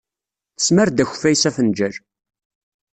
Tesmar-d akeffay s afenjal.